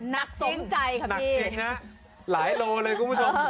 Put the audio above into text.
นักเก่งมาหลายโล